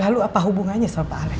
lalu apa hubungannya sama pak alex